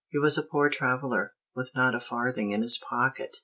He was a poor traveler, with not a farthing in his pocket.